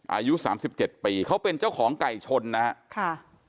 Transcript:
อายุ๓๗ปีเขาเป็นเจ้าของไก่ชนนะครับ